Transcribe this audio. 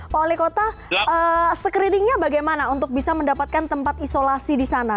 pak wali kota screeningnya bagaimana untuk bisa mendapatkan tempat isolasi di sana